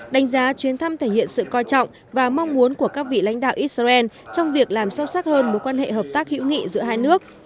đánh giá chuyến thăm thể hiện sự coi trọng và mong muốn của các vị lãnh đạo israel trong việc làm sâu sắc hơn mối quan hệ hợp tác hữu nghị giữa hai nước